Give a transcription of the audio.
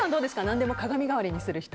何でも鏡代わりにする人。